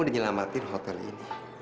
udah nyelamatin hotel ini